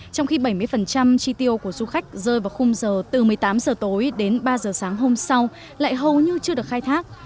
trong khi bảy mươi chi tiêu của du khách rơi vào khung giờ từ một mươi tám h tối đến ba h sáng hôm sau lại hầu như chưa được khai thác